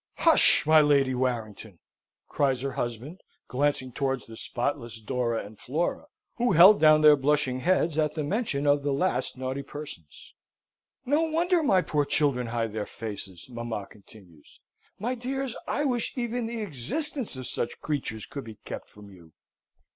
"Hush, my Lady Warrington!" cries her husband, glancing towards the spotless Dora and Flora, who held down their blushing heads, at the mention of the last naughty persons. "No wonder my poor children hide their faces!" mamma continues. "My dears, I wish even the existence of such creatures could be kept from you!"